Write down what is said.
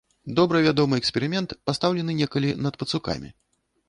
Добра вядомы эксперымент, пастаўлены некалі над пацукамі.